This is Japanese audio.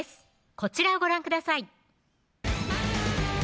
こちらをご覧ください